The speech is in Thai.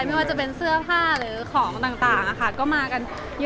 ใช่ไม่ว่าจะเป็นเสื้อผ้าหรือของต่าง